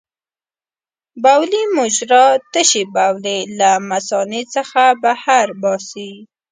بولي مجرا تشې بولې له مثانې څخه بهر باسي.